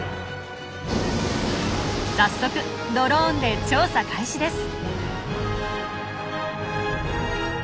早速ドローンで調査開始です。